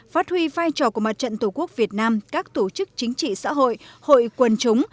phát huy vai trò của mặt trận tổ quốc việt nam các tổ chức chính trị xã hội hội quần chúng